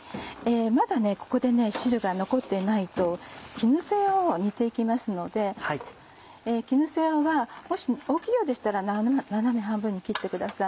まだここで汁が残ってないと絹さやを煮ていきますので絹さやはもし大きいようでしたら斜め半分に切ってください。